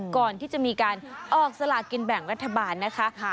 ก่อนที่จะมีการออกสลากินแบ่งรัฐบาลนะคะ